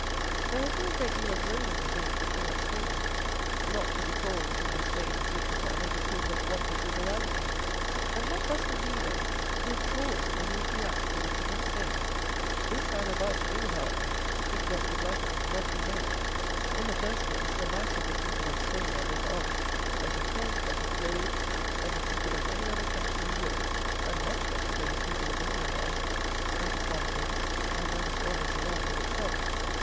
There has been a great deal of railing against the King of Spain; not to becall the King of Spain is looked upon as a proof of want of "liberality," and what must it be, then, to applaud any of the acts of the King of Spain! This I am about to do, however, think Dr. Black of it what he may. In the first place, the mass of the people of Spain are better off, better fed, better clothed, than the people of any other country in Europe, and much better than the people of England are. That is one thing; and that is almost enough of itself.